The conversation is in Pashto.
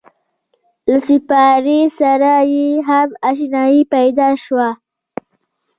له سپارې سره یې هم اشنایي پیدا شوه.